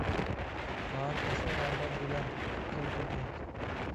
باھار پەسلى رەڭدار گىلەم، گۈزەل تەبىئەت.